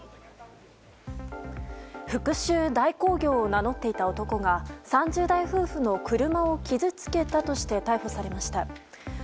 復讐代行業を名乗っていた男が３０代夫婦の車を傷つけたとして逮捕されました。